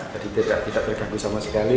jadi tidak terganggu sama sekali